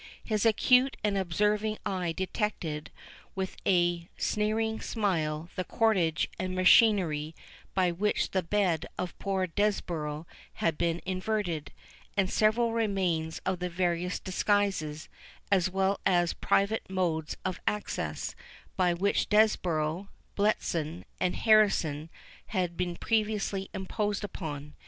His acute and observing eye detected, with a sneering smile, the cordage and machinery by which the bed of poor Desborough had been inverted, and several remains of the various disguises, as well as private modes of access, by which Desborough, Bletson, and Harrison, had been previously imposed upon.